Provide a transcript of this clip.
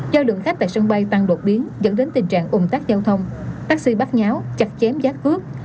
do lượng khách tại sân bay tăng đột biến dẫn đến tình trạng ủng tắc giao thông taxi bắt nháo chặt chém giá cước